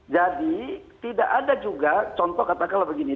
jadi tidak ada juga contoh katakanlah begini